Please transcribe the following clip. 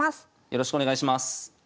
よろしくお願いします。